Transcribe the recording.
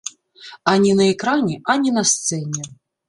Ані на экране, ані на сцэне.